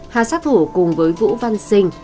hà sát thủ cùng với vũ văn sinh